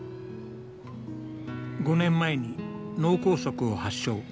５年前に脳梗塞を発症。